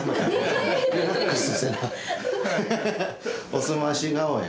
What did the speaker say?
おすまし顔や。